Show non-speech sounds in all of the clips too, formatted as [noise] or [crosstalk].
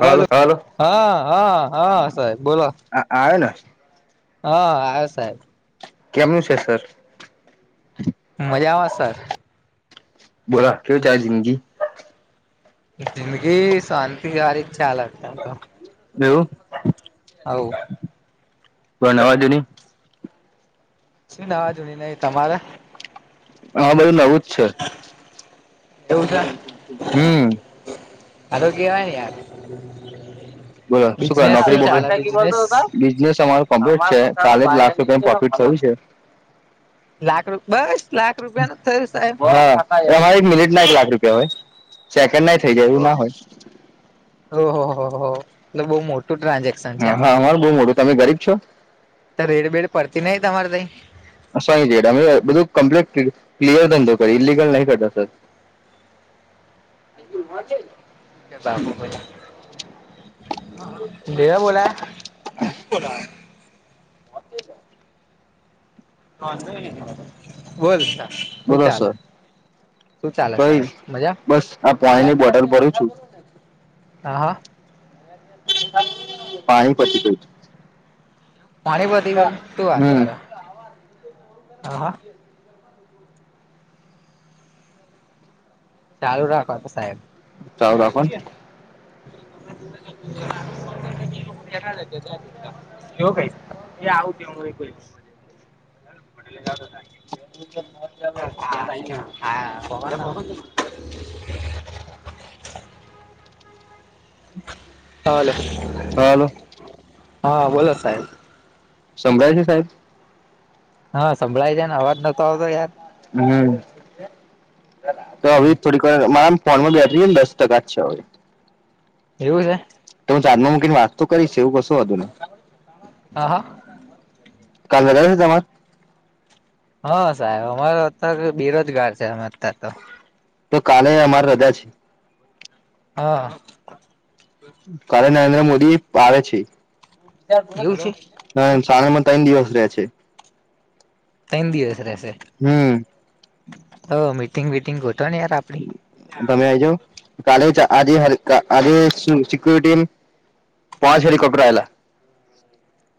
Hello, હા, હા, હા, સાહેબ બોલો. આ આએ ના હા, હા સાહેબ. કેમનું છે સર? મજામાં આવે સર? બોલા. કેવું ચાલે જિંદગી? જિંદગી શાંતિ હારી જ ચાલે તેમ તો. એવું. હોવ. પણ [unintelligible] ને શું [unintelligible] તમારા? હા બધું નવું જ છે. હમ્મ. આરોગ્ય [unintelligible] બોલો. શું કરો, નોકરી બોકરી? બિઝનેસ અમારું કમ્પ્લીટ છે, ચાલીસ લાખ રૂપિયા પ્રોફિટ થયું છે. લાખ રૂપ બસ? લાખ રૂપિયા નું જ થયું સાહેબ હા. [unintelligible] એક મિનિટના એક લાખ રૂપિયા હોય, સેકન્ડના જ થઈ જાય, એવું ના હોય. ઓહો, હો, હો, એ તો બહુ મોટું ટ્રાન્ઝેક હા, હા બહુ મોટું. તમે ગરીબ છો? તે રેડ બેેડ પડતી નહિં તમારે તઈ? શેની રેડ? અમે બધું કમ્પ્લિટ, ક્લિયર ધંધો કરી, ઇલિગલ નહીં કરતા સર. [inaudible] શું કે [unintelligible] [unintelligible] [inaudible] [inaudible] [unintelligible] હું બોલો ચાલે, સર શું ચાલ કઈ સાહેબ, મજા? બસ આ પોણીની બોટલ ભરું છું. હા, હા. પાણી પતી ગયું છ. પાણી પતી ગયું? શું વાત હમ કરો? હા, હા. ચાલુ રાખો તો સાહેબ. ચાલુ રાખો ને [inaudible] [inaudible] [inaudible] [inaudible] [inaudible] હલો હલો હા બોલો સાહેબ સમડાય છે સાહેબ હા સંભળાઈ છેને અવાજ નતો આવતો યાર હમ તો હમ હવે થોડી કઇ મારા ફોનમાં બેટરીને દસ ટકા જ છે એવું છેે તો હું ચાર્જમાં મૂકીને વાતતો કરીશ એવું કશો વાંધો નહી હા હા કાલે રજા છે તમાર હા સાહેબ અમારો અત્યારે બેરોજગાર છે અમે અત્યાર તો તો કાલે અમારે રજા છે હા કાલે નરેન્દ્ર મોદી આવે છે એવું છે [inaudible] અને સાણંદ માં ત્રણ દિવસ રહે છે ત્ર દિવસ રહેશે હમ તો મીટિંગ વિટિંગ ગોતો ને યાર આપડી તમે આઈ જાવ કાલે [inaudible] આજે આજે સિકુરિટી પાંચે હેલિકોપ્ટર આવેલા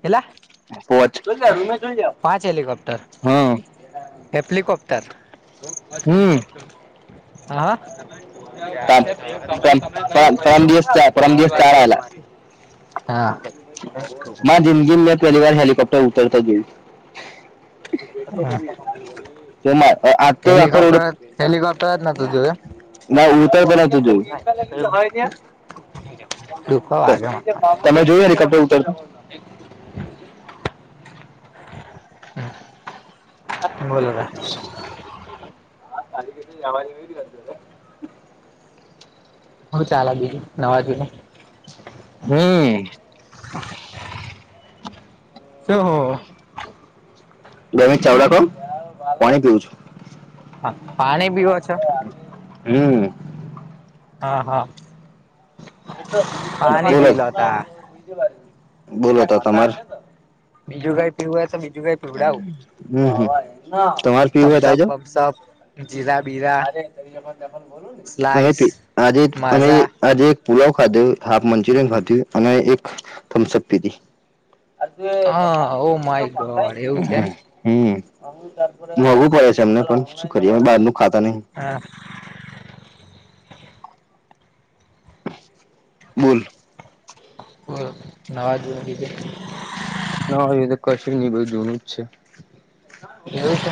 કેટલા પોંચ પાંચ હેલિકોપ્ટર હેપલિકોપ્ટર હમ [inaudible] હા પરમ પરમ દિવસ ચાર પરમ દિવસ ચાર આવેલા હા [inaudible] હા [inaudible] મારી જિંદગીમાં મેં પહેલી વાર હેલિકોપ્ટર ઉતરતા જોયું [inaudible] જો મારે તો આજે તો આખો દાડો હેલિકોપ્ટર હેલિકોપ્ટર જ નહોતું જોયુ એમ ના ઉતરતા નહોતુ જોયુ [inaudible] દુખવા તમે વાગે તમે જોયું હેલિકોપ્ટર ઉતરતા હમ [inaudible] હુ ચાલે બીજું નવાજુની હમ શુ હુ બે મિનિટ ચાલું રાખો પોણી પીઉું છું હા પાણી પીવો છો હમ હા હા [inaudible] પાણી પી લો તા ધીરજ બોલો તો તમારે બીજું કઇ પીવું હોય તો બીજું કઇ હમ હમ તમાર થમ્સઅપ વમ્સઅપ જીરા બીરા [inaudible] ત બોલ ને અ સ્લાઈસ આજે અમે માઝા આજ પુલાવ ખાધો હાફ મંચુરિયન ખાધુ અને એક થમ્સઅપ પીધી [inaudible] હમ હા હમ ઓ માય ગોડ એવું છે એમ હમ મોંઘું પડે છે અમને પણ શું કરીએ બહાર નુ ખાતા નહી હા બોલ કો નવા જુની બીજી ના હવે તો કશુ ની બહ જનું જ છે એવું છે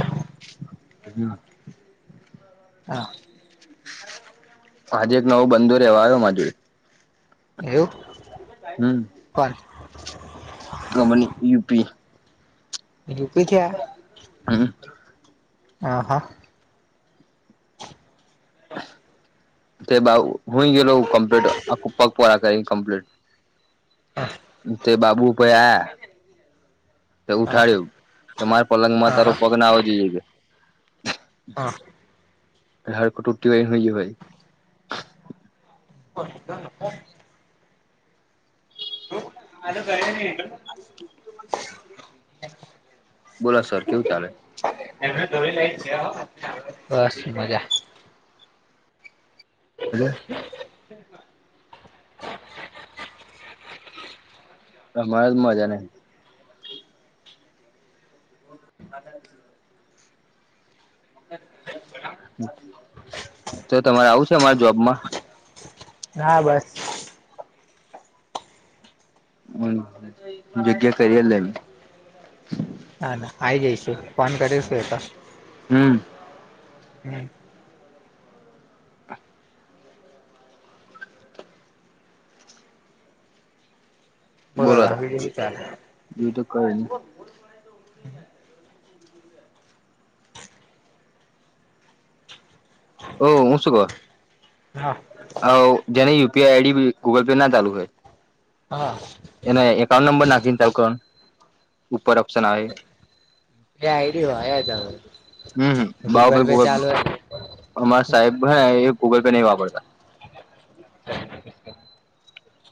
હ હા આજે એક નવો બંદો રહવા આવ્યો મા જોડ એવું જોડે કોણ ગ મન યુપી હમ આહા [inaudible] તે બા હુંય ગેલો કમ્પ્લીટ પગપળ કરી કમ્પ્લીટ હા તે બાબુ ભાઈ આ એ હા ઉઠાડ્યું કે મારે પલંગ મા તારો હા પગ ના આવો જોઈએ કે હા હાડ કટ ઉટીવાય હોય ભાઈ [unintelligible] આ ભને હ બોલો સર કેવું ચાલે બસ મજા બ અમારે તો મજા નહ [unintelligible] તો તમારે આવું છે અમારા જોબમાં ના બસ હમ બગ કરીરી લ નને હા ના આ આવી જઈશું ફોન કરીશું એ તો હમ હમ બોલો તાર બીજું હું ચાલે બીજુ કાઈ નહી હમ ઓહ હું શું કહ હા જેની યુપીઆઈ આઈડી ગુગલ પે ના ચાલુ હોય હા એને એકાઉન્ટ નંબર નાખીને તાલ કોણ ઉપર ઓપ્શન આવે એ આઈડી હોયાલ હમ ગૂગલ બાઉભાઈ પે ચાલુ હો અમારા સાહેબ હ એ ગૂગલ પે નહી વાપરતા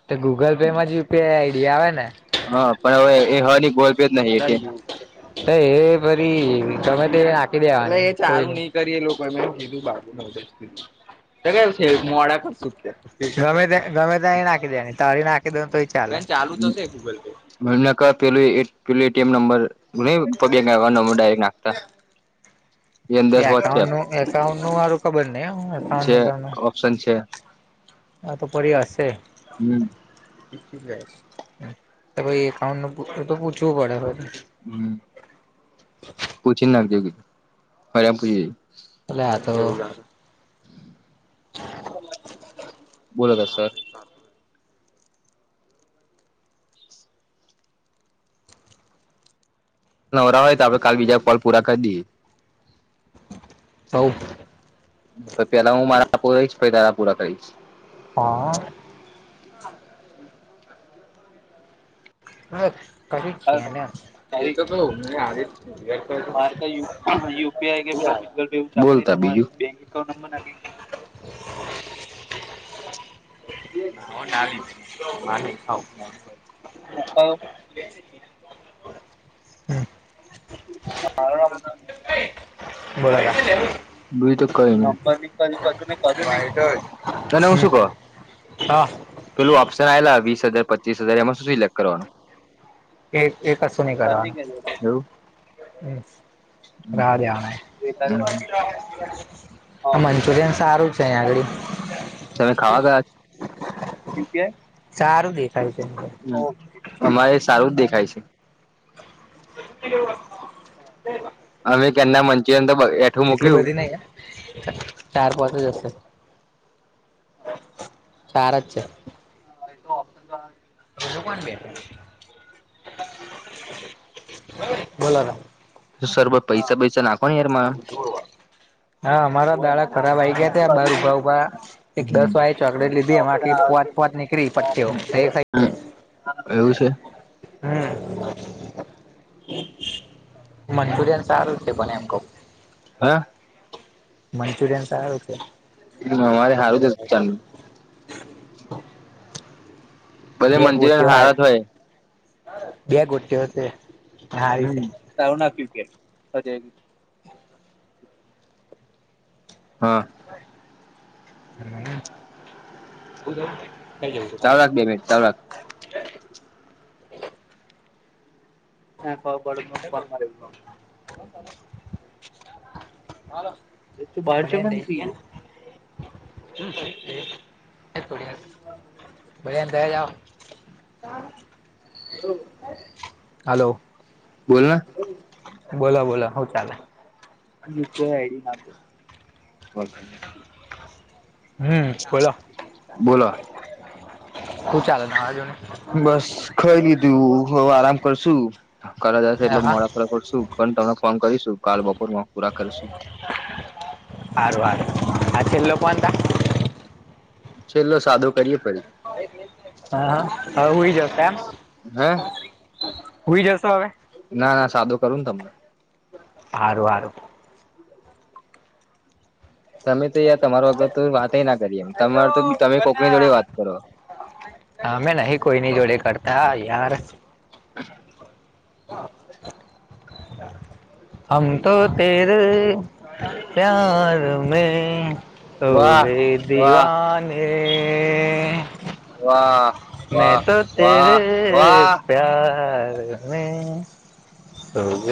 તો ગૂગલ પે માં જ યુપીઆઈ આઈડિયા આવે ને હા પણ હવે એ હ ની ગોલ્ જય યુ. એ પરી તમે તે નાખી દેવા ન કરી લોકો કીધું બા હ જ [unintelligible] મોડા ગમે્યા ગમે ત્યાં નાખી દે તારી નાખી તો ચાલે ને ચાલુ તોશે ગૂગલ પે ક નાખતા એ અંદર એકાઉન્ટ વોટ્સએપ નું એકાઉન્ટ નું મારું ખબર નહ એકાઉન્ટ છે નું ઓપ્શન છે હ તો પહી હશે હમ એકાઉન્ટ એ તો પૂછવું પડે હમ પૂછી નાખજેધું ફરેમ પૂછી જઈ અલા આ તો બોલો સર ત [unintelligible] નવરા હોય તો આપણે કાલ બીજા કોલ પૂરા કરી દઈએ. હવ. પેલા હું મારા આપ રહીશ પેદા રા પૂરા કરીશ. હા. [unintelligible] [inaudible] બોલતા બીજું. હ [inaudible] મોકો [inaudible] હમ [inaudible] બોરા. બી તો કઈની. તને હું શું હમ કહું, હા પેલું ઓપ્શન આવેલા વીસ હજાર પ પચીસ હજાર એમાં શું સિલેક કરવાનું? એ એક કશું નહી કરવાનું. હમ્મ, રેવા દેવાના. એવું ઈન્સ્યોરેન્સ આરૂ તમે ખાવા ગયા? સારું દેખાય છે એમને. હમ્મ, અમારે સારું જ દેખાય છે. હ હ આની પેલા મંચુરિયન તો બ કેટલી બધી નહી હે. ચાર પાંચ જ હશે. ચાર જ છે. [inaudible] બોલ હવે. સરબત પૈસા બઈસા નાખો ને યાર મારા. હા અમારા દાળક ખરાબ આવી ગયા તે બહાર ઊભા ઉભા. એક હમ દસ વાળી ચોકડ એટ લીધે એ માખી પોત પોત નીકળી પટચ થઈ જાય. એવું છે. હમ્મ. હ મંચુરિયન સારું છે પણ એમ કવ. હા? મંચુરિયન સારું છે. અમારે સારું જ ચાલ. બધે બે મંચુરિયન ગોટયો હાર હારા જ હોય બે ગોયો છે તે. હમ્મ ટાઉન આપ્યું કે [inaudible] હા. હમ્મ. ચાલુ રાક બે મીન ચાલુ રાક. હા ક પડું ફોન માર. હાલો [inaudible] [inaudible] બ [unintelligible] હાલો. બોલના બોલો બોલો હો ચાલે ડી [unintelligible] બલ હમ્મ બોલો શું ચાલે તરાજોને બસ ખરી લીધું હવ આરામ કરશું કર જશે એટલે હા મોડા હારું ખરા પડશું પણ તમને ફોન કરીશું કાલ બપોર પૂરા કરીશું હારુ હારુ આ છેલ કોન તા છેલ્લો સાદો કરીએે પડી હા હા હું હુ બી જતા એમ હે ઉઈ જસો હવે ના ના સાદો કરું ને તમને હારું હારું તમે તો યાર તમારો વગર તો વાત ના કરી એમ તમાર તો તમે કોકની જોડે વાત કરો હા અમે નહી કોઈ નની જોડે કરતા યાર [unintelligible] હા હમ તો તેરે પ્યાર મે તો વાહ વે વાહ દિવાને વાહ મે વાહ તો તેરે વાહ વાહ પ્યાર મેં [unintelligible]